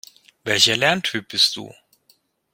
Welcher Lerntyp bist du?